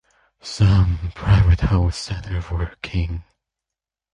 Some private health center working.